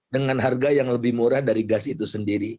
dengan harga yang lebih murah dari gas itu sendiri